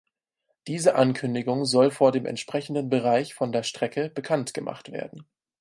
Diese Ankündigung soll vor dem entsprechenden Bereich von der Strecke bekanntgemacht werden.